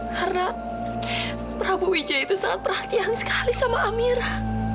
karena prabu wijaya itu sangat perhatian sekali sama amira